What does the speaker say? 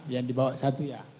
yang dibawah satu ya